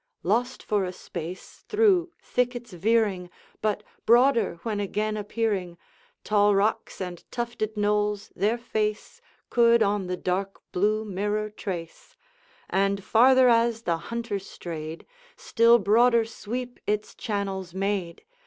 Lost for a space, through thickets veering, But broader when again appearing, Tall rocks and tufted knolls their face Could on the dark blue mirror trace; And farther as the Hunter strayed, Still broader sweep its channels made.